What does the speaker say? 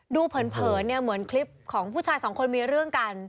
เผินเนี่ยเหมือนคลิปของผู้ชายสองคนมีเรื่องกัน